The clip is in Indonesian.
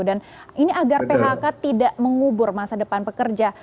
dan ini agar phk tidak mengubur masa depan pekerja